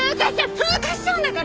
通過しちゃうんだから！